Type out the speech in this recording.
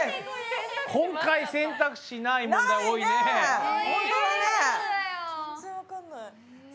今回選択肢ない問題が多いね。